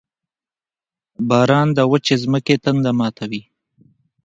• باران د وچې ځمکې تنده ماتوي.